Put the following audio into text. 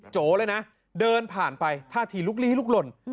โจเลยนะเดินผ่านไปท่าทีลุกลี้ลุกหล่น